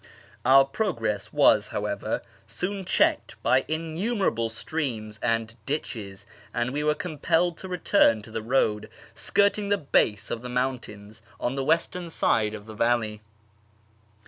Our progress was, however, soon checked by innumerable streams and ditches, and we were compelled to return to the road skirting the base of the mountains on the western side of the valley.